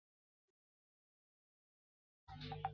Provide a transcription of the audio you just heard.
东汉永初元年犍为郡移治武阳县。